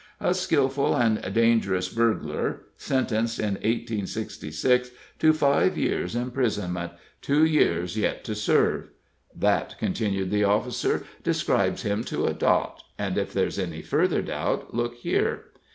A skillful and dangerous burglar. Sentenced in 1866 to five years' imprisonment two years yet to serve.' That," continued the officer, "describes him to a dot; and, if there's any further doubt, look here!"